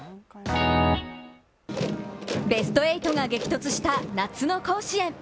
ベスト８が激突した夏の甲子園。